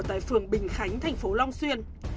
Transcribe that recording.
tại phường bình khánh thành phố long xuyên